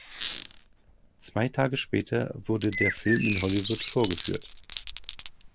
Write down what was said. Zwei Tage später wurde der Film in Hollywood vorgeführt.